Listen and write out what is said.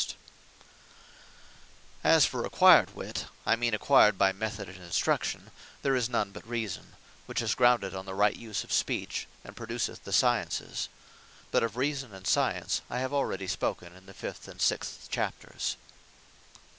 Acquired Wit As for Acquired Wit, (I mean acquired by method and instruction,) there is none but Reason; which is grounded on the right use of Speech; and produceth the Sciences. But of Reason and Science, I have already spoken in the fifth and sixth Chapters.